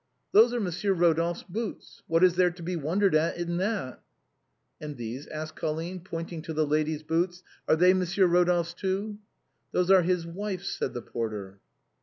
" Those are Monsieur Rodolphe's boots. What is there to be wondered at in that?" THE HOUSE WARMING, 155 "And these?" asked Colline, pointing to the lady's boots ;" are they Monsieur Eodolphe's too ?"" Those are his wife's/' said the porter.